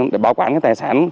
để bảo quản tài sản